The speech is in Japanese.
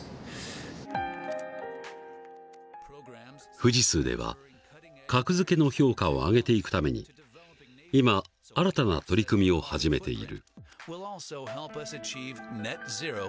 富士通では格付けの評価を上げていくために今新たな取り組みを始めている。